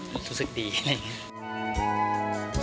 ก็รู้สึกดีอะไรอย่างนี้ครับ